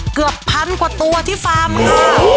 เกือบพันกว่าตัวที่ฟาร์มค่ะ